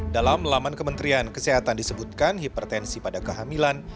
dalam laman kementerian kesehatan disebutkan hipertensi pada kehamilan